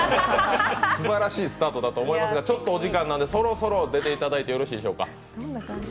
すばらしいスタートだと思うんですがちょっとお時間なんでそろそろ出ていただいてよろしいでしょうか？